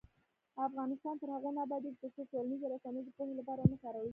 افغانستان تر هغو نه ابادیږي، ترڅو ټولنیزې رسنۍ د پوهې لپاره ونه کارول شي.